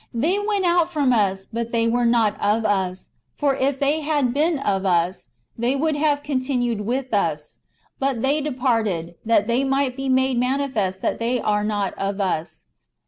They went out from us, but they were not of us ; for if they had been of us, they Avould have continued with us : but [they departed], that they might be made manifest that they are not of us.